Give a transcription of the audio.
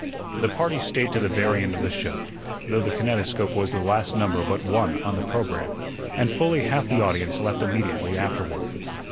The party stayed to the very end of the show, though the kinetoscope was the last number but one on the programme, and fully half the audience left immediately afterward.